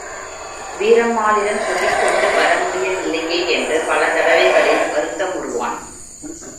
வீரம்மாளிடம் சொல்லிக்கொண்டு வரமுடியவில்லையே என்று பல தடவைகளில் வருத்தமுறுவான்.